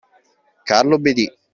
Carlo obbedì